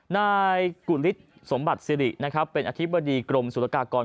นายกุฤษสมบัติสิรินะครับเป็นอธิบดีกรมสุรกากร